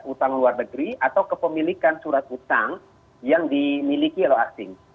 utang luar negeri atau kepemilikan surat utang yang dimiliki oleh asing